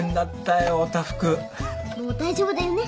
もう大丈夫だよね。